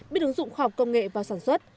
biết ứng dụng khoa học công nghệ vào sản xuất